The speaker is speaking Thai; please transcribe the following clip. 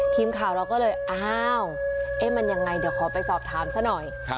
ทีมข่าวเราก็เลยอ้าวมันยังไงเดี๋ยวขอไปสอบถามซะหน่อย